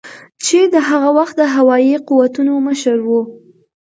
چې د هغه وخت د هوایي قوتونو مشر ؤ